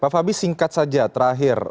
pak fabis singkat saja terakhir